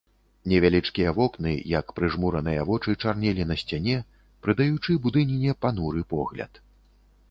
Невялічкія вокны, як прыжмураныя вочы, чарнелі на сцяне, прыдаючы будыніне пануры погляд.